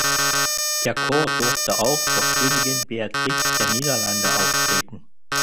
Der Chor durfte auch vor Königin Beatrix der Niederlande auftreten.